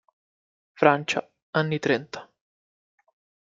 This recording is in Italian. Francia, anni Trenta.